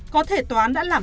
có thể toán đã làm